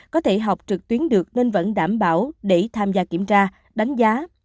có thể học trực tuyến được nên vẫn đảm bảo để tham gia kiểm tra đánh giá